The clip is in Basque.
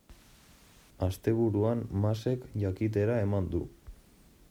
Asteburuan Masek jakitera eman du.